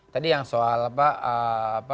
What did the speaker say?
tadi yang soal apa